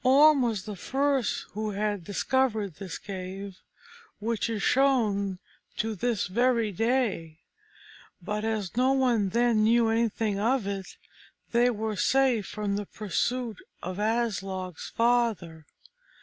Orm was the first who had discovered this cave, which is shown to this very day. But as no one then knew anything of it, they were safe from the pursuit of Aslog's father.